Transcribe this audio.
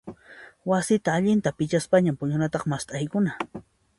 Wasilla allinta pichaspaña puñunataqa mast'aykuna.